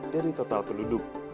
dari total peluduk